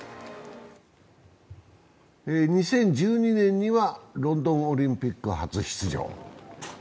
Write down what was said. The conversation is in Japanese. ２０１２年にはロンドンオリンピック初出場。